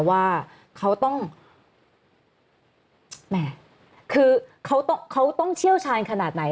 ว่าเขาต้องเขาต้องเชี่ยวชาญขนาดไหน